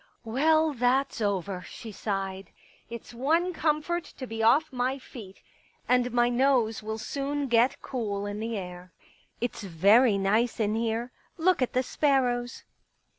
" Well, that's over," she sighed. " It's one comfort to be off my feet. And my nose will soon get cool in the air. ... It's very nice in here. Look at the sparrows.